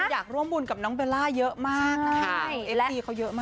อยากร่วมบุญกับน้องเบลล่าเยอะมาก